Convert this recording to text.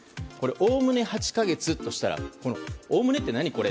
おおむね８か月としたらおおむねって何これ？